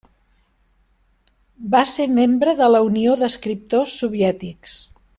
Va ser membre de la Unió d'Escriptors Soviètics.